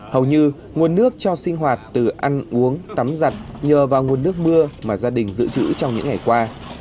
hầu như nguồn nước cho sinh hoạt từ ăn uống tắm giặt nhờ vào nguồn nước mưa mà gia đình dự trữ trong những ngày qua